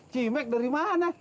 cimek dari mana